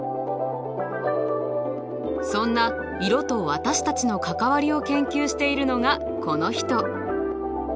そんな色と私たちの関わりを研究しているのがこの人